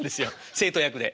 生徒役で。